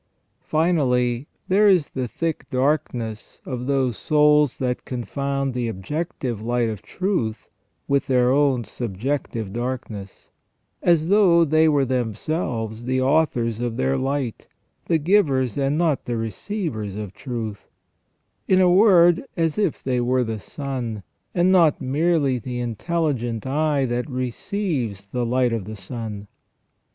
Finally, there is the thick darkness of those souls that confound the objective light of truth with their own subjective darkness, as though they were themselves the authors of their light, the givers and not the receivers of truth ; in a word, as if they were the sun, and not merely the intelligent eye that receives the light of the sun.